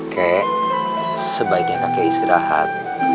kek sebaiknya kakek istirahat